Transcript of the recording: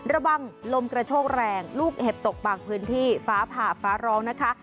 ระวังลมกระโชกแรงลูกเห็บตกบางพื้นที่ฟ้าผ่าฟ้าร้องนะคะ